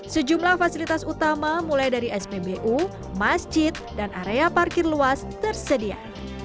sejumlah fasilitas utama mulai dari spbu masjid dan area parkir luas tersedia